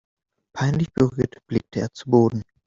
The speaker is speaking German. Peinlich berührt blickte er zu Boden.